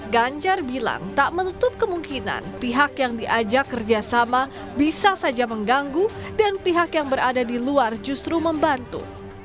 ganjar bilang tak menutup kemungkinan pihak yang diajak kerjasama bisa saja mengganggu dan pihak yang berada di luar justru membantu